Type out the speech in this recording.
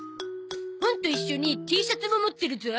本と一緒にＴシャツも持ってるゾ。